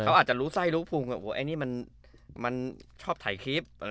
เขาอาจจะรู้ไส้รู้พุงไอ้นี่มันชอบถ่ายคลิป